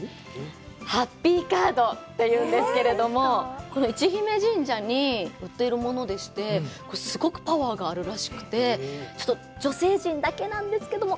ハッピーカードというんですけども、この市比賣神社に売っているものでして、すごくパワーがあるらしくて、ちょっと女性陣だけなんですけども。